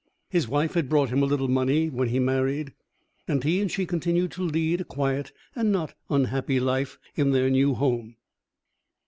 His wife had brought him a little money when he married; and he and she continued to lead a quiet and not unhappy life in their new home.